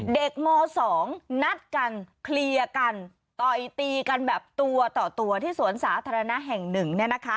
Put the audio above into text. เด็กม๒นัดกันเคลียร์กันต่อยตีกันแบบตัวต่อตัวที่สวนสาธารณะแห่งหนึ่งเนี่ยนะคะ